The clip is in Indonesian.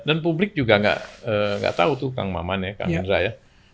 dan publik juga nggak tahu tuh kang maman ya kang hendra ya